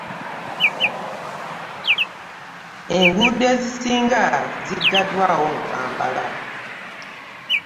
Enguudo ezisinga zigaddwawo mu Kampala.